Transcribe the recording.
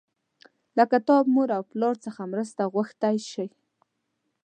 له کتاب، مور او پلار څخه مرسته غوښتی شئ.